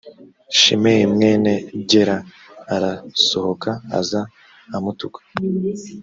shimeyi mwene gera arasohoka aza amutuka